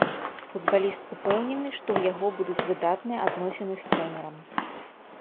Футбаліст ўпэўнены, што ў яго будуць выдатныя адносіны з трэнерам.